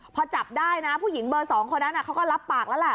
พอจับได้นะผู้หญิงเบอร์๒คนนั้นเขาก็รับปากแล้วแหละ